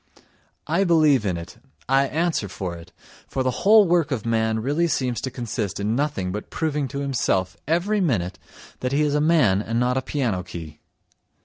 I believe in it, I answer for it, for the whole work of man really seems to consist in nothing but proving to himself every minute that he is a man and not a piano key!